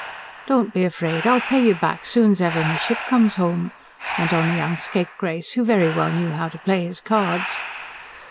"Don't be afraid, I'll pay you back soon's ever me ship comes home," went on the young scapegrace, who very well knew how to play his cards.